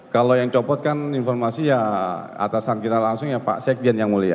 kalau yang copot kan informasi ya atasan kita langsung ya pak sekjen yang mulia